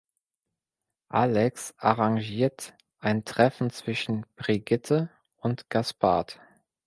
Alex arrangiert ein Treffen zwischen „Brigitte“ und Gaspard.